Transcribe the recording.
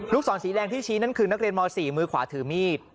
ศรสีแดงที่ชี้นั่นคือนักเรียนม๔มือขวาถือมีด